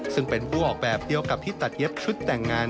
ซึ่งเป็นผู้ออกแบบเดียวกับที่ตัดเย็บชุดแต่งงาน